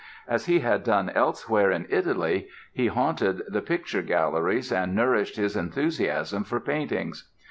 As he had done elsewhere in Italy he haunted the picture galleries and nourished his enthusiasm for paintings.